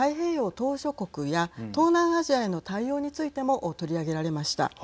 島しょ国や東南アジアへの対応についても取り上げられました。